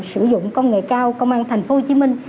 sử dụng công nghệ cao công an thành phố hồ chí minh